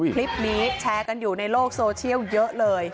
คลิปนี้แชร์กันอยู่ในโลกโซเชียลเยอะเลย